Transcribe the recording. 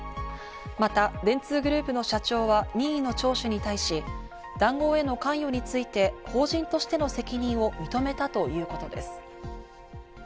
また電通グループの社長は任意の聴取に対し、談合への関与について法人としての責任を認めたということです。